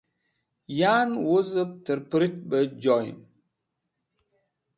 Yan, Wuzep terpurut be Joyem